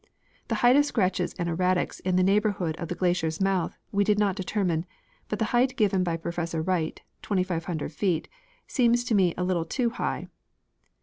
The height of scratches and erratics in the neighborhood of the glacier's mouth we did not determine, but the height given by Professor Wright (2,500 feet) seems to me a little too high.